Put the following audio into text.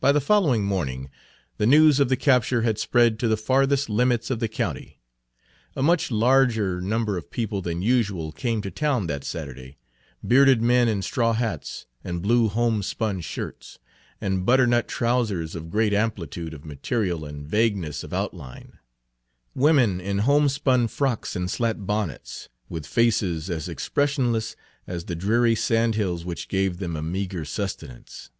By the following morning the news of the capture had spread to the farthest limits of the county. A much larger number of people than usual came to town that Saturday, bearded men in straw hats and blue homespun shirts, and butternut trousers of great amplitude of material and vagueness of outline; women in homespun frocks and slat bonnets, with faces as expressionless as the dreary sandhills which gave them a meagre sustenance.